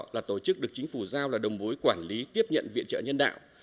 là tổ chức được chính phủ giao là đồng bối quản lý tiếp nhận viện trợ nhân đạo